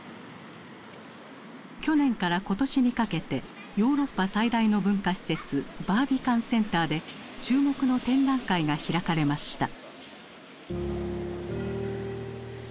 去年から今年にかけてヨーロッパ最大の文化施設バービカン・センターで注目の展覧会が開かれました。